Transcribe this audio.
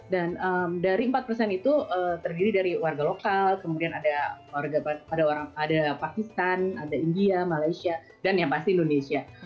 dan dari empat persen itu terdiri dari warga lokal kemudian ada pakistan ada india malaysia dan yang pasti indonesia